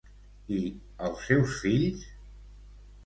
I els seus fills?